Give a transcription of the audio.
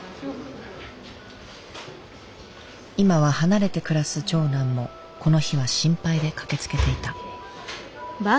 今は離れて暮らす長男もこの日は心配で駆けつけていた。